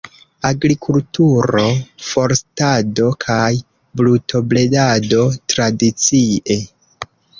Agrikulturo, forstado kaj brutobredado tradicie.